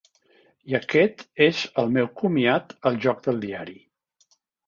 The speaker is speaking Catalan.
I aquest és el meu comiat al joc del diari.